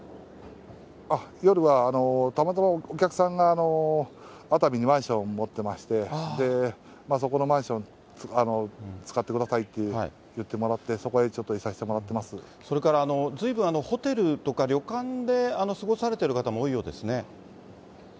夜はたまたまお客さんが熱海にマンションを持ってまして、そこのマンションを使ってくださいって言ってもらって、そこへちそれからずいぶん、ホテルとか旅館で過ごされてる方も多いようですね？